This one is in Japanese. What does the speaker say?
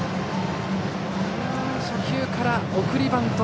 初球から送りバント。